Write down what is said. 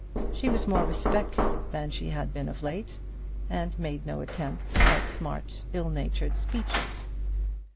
She was more respectful than she had been of late, and made no attempts at smart, ill natured speeches.